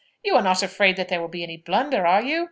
You are not afraid that there will be any blunder, are you?